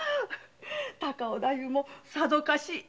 高尾太夫もさぞかし喜ぶ事で。